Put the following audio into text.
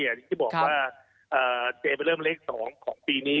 อย่างที่บอกว่าเจไปเริ่มเลข๒ของปีนี้